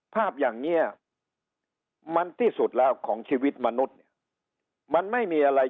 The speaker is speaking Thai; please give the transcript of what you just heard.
ภาพอย่างนี้มันที่สุดแล้วของชีวิตมนุษย์เนี่ยมันไม่มีอะไร